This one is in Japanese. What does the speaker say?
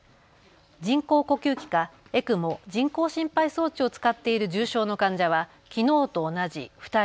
人工呼吸器かＥＣＭＯ・人工心肺装置を使っている重症の患者はきのうと同じ２人。